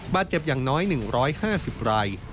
บาดเจ็บอย่างน้อย๑๕๐ราย